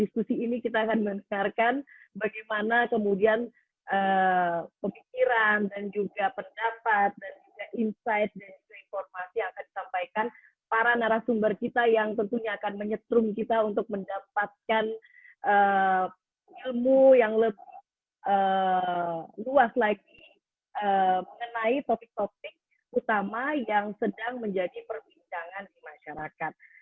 saya ingin memberikan ilmu yang lebih luas lagi mengenai topik topik utama yang sedang menjadi perbincangan di masyarakat